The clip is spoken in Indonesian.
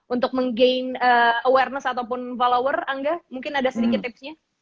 untuk menggain awareness ataupun follower angga mungkin ada sedikit tipsnya